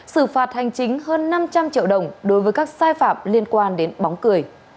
xử phạt hành chính hơn năm trăm linh triệu đồng đối với các sai phạm liên quan đến bóng cười